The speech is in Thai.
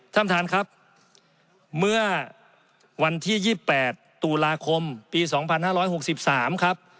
ท่านประธานครับเมื่อวันที่๒๘ตุลาคมปี๒๕๖๓ครับ